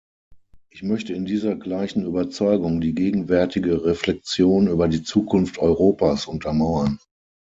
Ich möchte in dieser gleichen Überzeugung die gegenwärtige Reflektion über die Zukunft Europas untermauern.